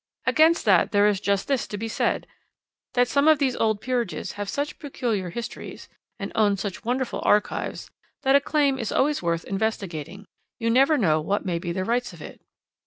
Against that there is just this to be said, that some of these old peerages have such peculiar histories, and own such wonderful archives, that a claim is always worth investigating you never know what may be the rights of it.